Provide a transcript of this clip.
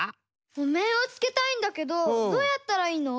おめんをつけたいんだけどどうやったらいいの？